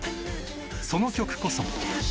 その曲こそ